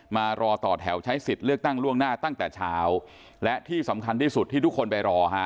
มารอต่อแถวใช้สิทธิ์เลือกตั้งล่วงหน้าตั้งแต่เช้าและที่สำคัญที่สุดที่ทุกคนไปรอฮะ